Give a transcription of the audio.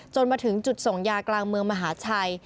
มาถึงจุดส่งยากลางเมืองมหาชัย